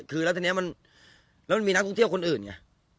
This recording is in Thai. คือแล้วทีนี้มันแล้วมันมีนักท่องเที่ยวคนอื่นไง